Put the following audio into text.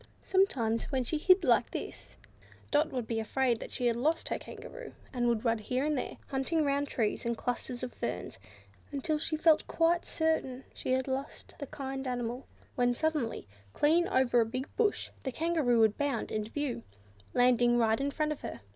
Sometimes, when she hid like this, little Dot would be afraid that she had lost her Kangaroo, and would run here and there, hunting round trees, and clusters of ferns, until she felt quite certain she had lost the kind animal; when suddenly, clean over a big bush, the Kangaroo would bound into view, landing right in front of her.